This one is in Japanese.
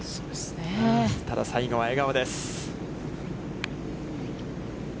ただ、最後は笑顔です。